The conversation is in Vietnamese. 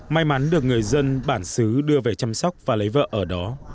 may mắn được người dân bản xứ đưa về chăm sóc và lấy vợ ở đó